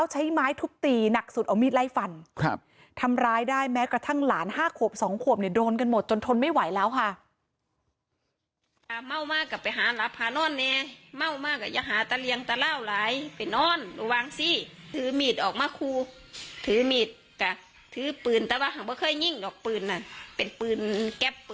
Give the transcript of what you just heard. หมดจนทนไม่ไหวแล้วค่ะ